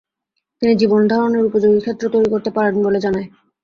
তিনি জীবনধারনের উপযোগী ক্ষেত্র তৈরী করতে পারেন বলে জানায়।